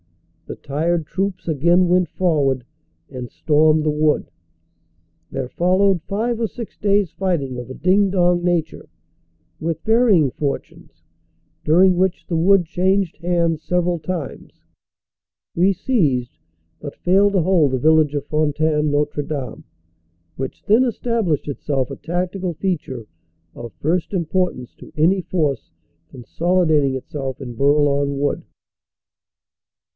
The tired troops again went forward and stormed the wood. There followed five or six days fighting of a ding dong nature, with varying fortunes, during which the wood changed hands several times. We seized but failed to hold the village of Fontaine Notre Dame, which then established itself a tactical feature of first importance to any force consolidating itself in Bourlon Wood.